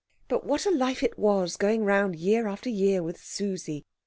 But what a life it was, going round year after year with Susie!